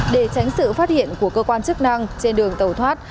để tránh sự phát hiện của cơ quan chức năng trên đường tàu thoát